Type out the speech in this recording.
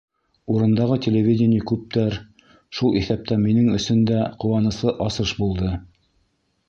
Урындағы телевидение күптәр, шул иҫәптән минең өсөн дә ҡыуаныслы асыш булды.